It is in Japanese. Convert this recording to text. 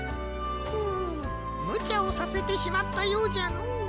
うむむちゃをさせてしまったようじゃのう。